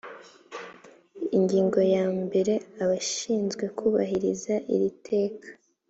ingingo ya mbere abashinzwe kubahiriza iri teka